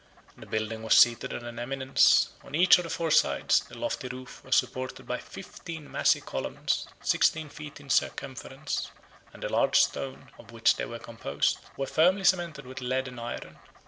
The building was seated on an eminence: on each of the four sides, the lofty roof was supported by fifteen massy columns, sixteen feet in circumference; and the large stone, of which they were composed, were firmly cemented with lead and iron.